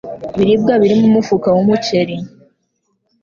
ibiribwa birimo umufuka w umuceli